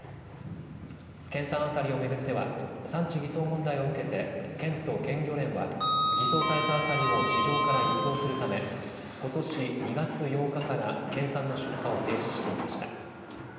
県産アサリをめぐっては産地偽装問題を受けて県と県漁連は偽装されたアサリを市場から一掃するためことし２月８日から県産の出荷を停止していました。